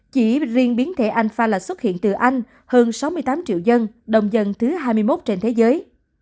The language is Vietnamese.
chỉ riêng biến thể anh fala xuất hiện từ anh hơn sáu mươi tám triệu dân đông dân thứ hai mươi một trên thế giới